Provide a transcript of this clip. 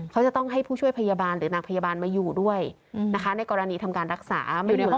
เขาจะต้องให้ผู้ช่วยพยาบาลหรือนางพยาบาลมาอยู่ด้วยนะคะในกรณีทำการรักษา